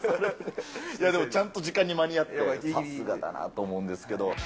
ちゃんと時間に間に合ってさすがだなと思うんですけど。